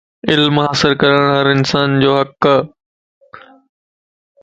علم حاصل ڪرڻ ھر انسان جو حق ائي